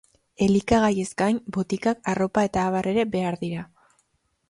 Elikagaiez gain, botikak, arropa eta abar ere behar dira.